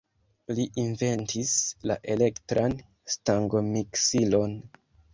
Li inventis la elektran stangomiksilon.